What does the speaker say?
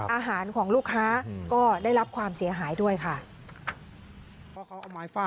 อาหารของลูกค้าก็ได้รับความเสียหายด้วยค่ะ